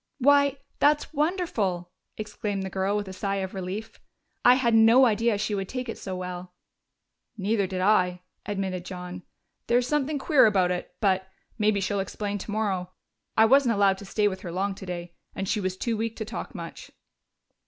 '" "Why, that's wonderful!" exclaimed the girl, with a sigh of relief. "I had no idea she would take it so well." "Neither did I," admitted John. "There's something queer about it but maybe she'll explain tomorrow. I wasn't allowed to stay with her long today, and she was too weak to talk much."